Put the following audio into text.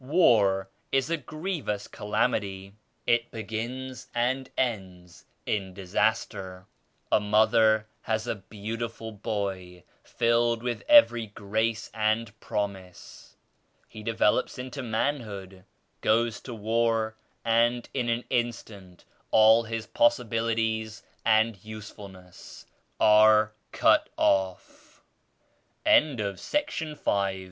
War is a grievous calamity. It begins and ends in disaster. A mother has a beautiful boy filled with every grace and promise. He de velops into manhood, goes to war and in an in stant all his possibilities and usefulne